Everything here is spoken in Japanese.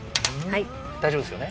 大丈夫ですよね？